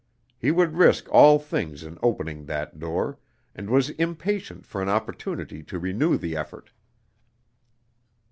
He would risk all things in opening that door, and was impatient for an opportunity to renew the effort.